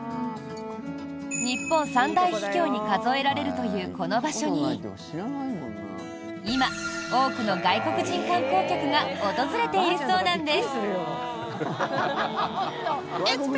日本三大秘境に数えられるというこの場所に今、多くの外国人観光客が訪れているそうなんです！